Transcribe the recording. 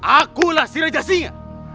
akulah si rejasinya